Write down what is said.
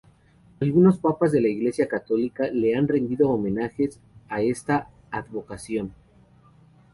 Algunos papas de la Iglesia católica le han rendido homenajes a esta advocación.